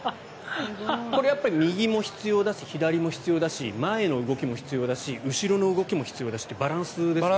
これ、右も必要だし左も必要だし前の動きも必要だし後ろの動きも必要だしというバランスですよね。